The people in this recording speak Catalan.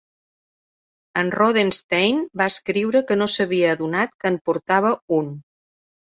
En Rothenstein va escriure que no s'havia adonat que en portava un.